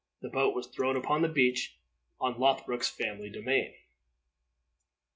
The boat was thrown upon the beach, on Lothbroc's family domain.